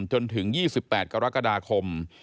จนถึง๒๘กรกฎาคม